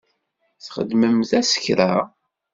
Txedmemt-as kra?